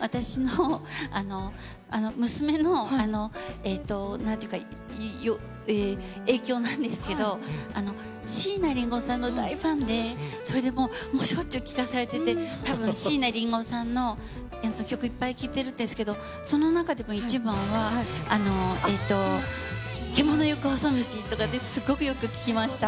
私の娘の、なんていうか、影響なんですけど、椎名林檎さんの大ファンで、それでもう、しょっちゅう聴かされてて、たぶん、椎名林檎さんの曲、いっぱい聴いてるんですけど、その中でも一番は、獣ゆく細道とかって、すごくよく聴きました。